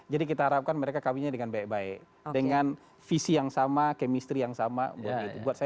jadi kita harapkan mereka kabarnya dengan baik baik dengan visi yang sama kemister yang sama buat saya